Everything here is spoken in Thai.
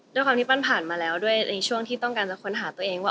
ด้วยความที่ปั้นผ่านมาแล้วด้วยในช่วงที่ต้องการจะค้นหาตัวเองว่า